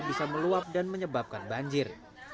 bisa meluap dan menyebabkan banjir